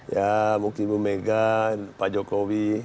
ya mungkin ibu mega pak jokowi